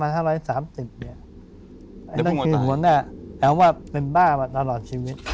แล้วมูตร์ตายแสดงว่าเป็นบ้าตลอดชีวิต